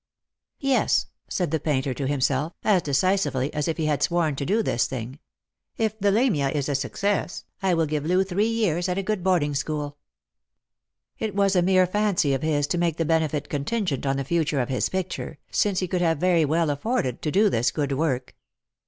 " Yes,'" said the painter to himself, as decisively as if he had sworn to do ihis thing, "jf the Lamia is a success, I will give Loo «hree years at a good boarding school." It was a mere fancy of his to make the benefit contingent on the future of his picture, since he could have very well afforded to do this good work.